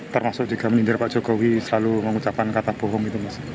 termasuk juga menindar pak jokowi selalu mengucapkan kata bohong itu mas